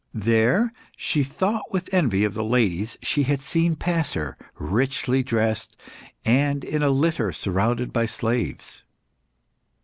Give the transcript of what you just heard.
There she thought with envy of the ladies she had seen pass her, richly dressed, and in a litter surrounded by slaves.